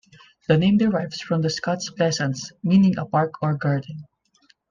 The name derives from the Scots "plesance", meaning a park or garden.